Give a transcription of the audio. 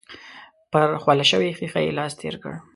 پر خوله شوې ښيښه يې لاس تېر کړ.